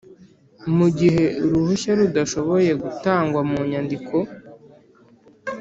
Mu gihe uruhushya rudashoboye gutangwa munyandiko